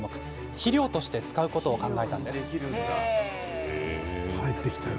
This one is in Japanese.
肥料として使うことを考えたんです。